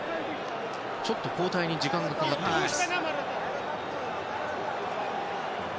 ちょっと交代に時間がかかっています。